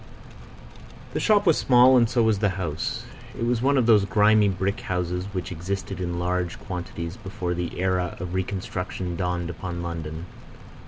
The shop was small, and so was the house. It was one of those grimy brick houses which existed in large quantities before the era of reconstruction dawned upon London.